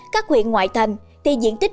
các huyện ngoại thành thì diện tích